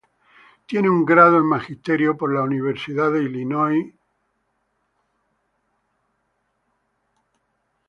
Tiene un Grado en Magisterio por la University of Illinois at Urbana–Champaign.